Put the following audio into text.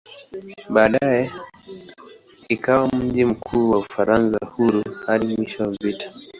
Baadaye ikawa mji mkuu wa "Ufaransa Huru" hadi mwisho wa vita.